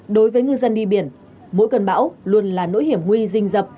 đối với ngư dân đi biển mỗi cơn bão luôn là nỗi hiểm nguy rình dập